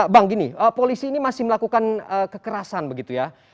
bang gini polisi ini masih melakukan kekerasan begitu ya